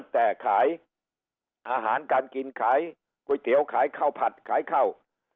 แต่ขายอาหารการกินขายก๋วยเตี๋ยวขายข้าวผัดขายข้าว